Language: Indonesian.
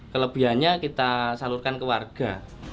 kelebihannya kita salurkan ke warga